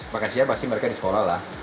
makan siap pasti mereka di sekolah